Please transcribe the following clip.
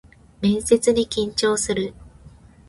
面接に緊張する